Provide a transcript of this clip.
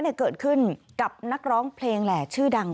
เดี๋ยวเขาแหล่งงี้จริง